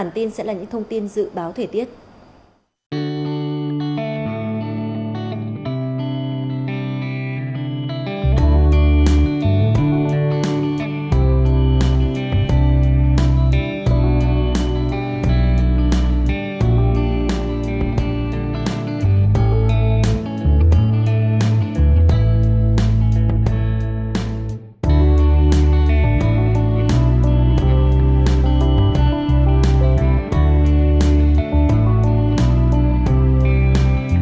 trong phần cuối của bản tin sẽ là những thông tin dự báo thể tiết